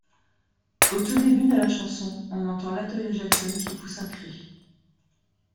Au tout début de la chanson, on entend Latoya Jackson qui pousse un cri.